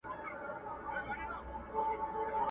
د سوځېدلو قلاګانو او ښارونو کوي،